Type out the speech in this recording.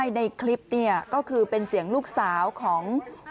คุณผู้ชมไปดูคลิปต้นเรื่องกันกันกันก่อนค่ะ